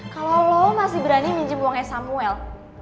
kalau lo masih berani minjem uangnya samuel